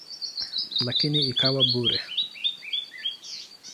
Lakini ikawa bure.